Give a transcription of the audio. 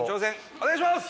お願いします